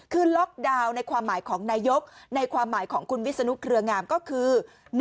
คือล็อกดาวน์ในความหมายของนายกในความหมายของคุณวิศนุเครืองามก็คือ